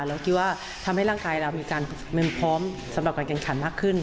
เราคิดว่าทำให้ร่างกายเรามีการพร้อมสำหรับการแข่งขันมากขึ้น